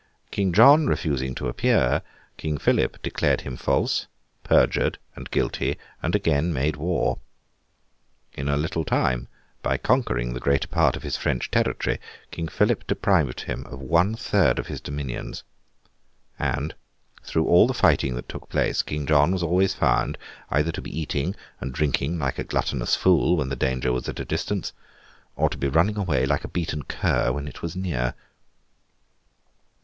King John refusing to appear, King Philip declared him false, perjured, and guilty; and again made war. In a little time, by conquering the greater part of his French territory, King Philip deprived him of one third of his dominions. And, through all the fighting that took place, King John was always found, either to be eating and drinking, like a gluttonous fool, when the danger was at a distance, or to be running away, like a beaten cur, when it was near.